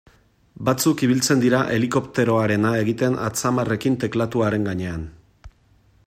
Batzuk ibiltzen dira helikopteroarena egiten atzamarrarekin teklatuaren gainean.